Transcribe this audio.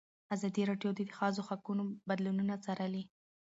ازادي راډیو د د ښځو حقونه بدلونونه څارلي.